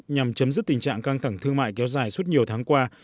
nhằm chấm dứt tình trạng căng thẳng thương mại kéo dài suốt nhiều tháng qua